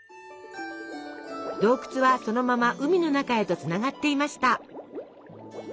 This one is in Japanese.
洞窟はそのまま海の中へとつながっていました！